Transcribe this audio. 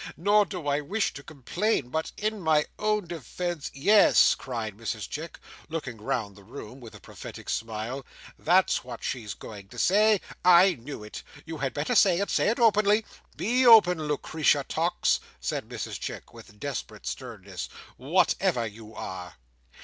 "Nor do I wish to complain. But, in my own defence—" "Yes," cried Mrs Chick, looking round the room with a prophetic smile, "that's what she's going to say. I knew it. You had better say it. Say it openly! Be open, Lucretia Tox," said Mrs Chick, with desperate sternness, "whatever you are."